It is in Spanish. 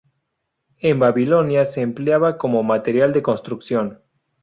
En Babilonia se empleaba como material de construcción.